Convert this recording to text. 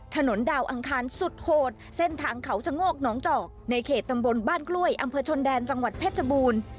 ทางเขาชะโงกหนองจอกในเขตตำบลบ้านกล้วยอำเภอชนแดนจังหวัดเพชรบูรณ์